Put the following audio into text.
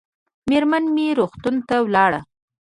مېرمن مې روغتون ته ولاړه